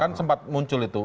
kan sempat muncul itu